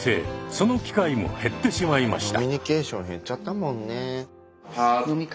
その機会も減ってしまいました。